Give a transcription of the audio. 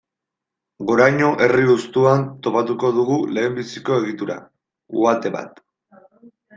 Goraño herri hustuan topatuko dugu lehenbiziko egitura, uhate bat.